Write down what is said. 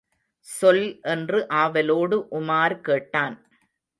சொல் என்று ஆவலோடு உமார் கேட்டான்.